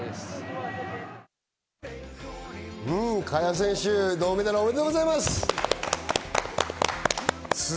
萱選手、銅メダルおめでとうございます。